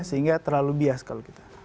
sehingga terlalu bias kalau kita